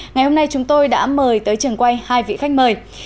ngày hôm nay chúng tôi đã mời tới trường quay hai vị khách mời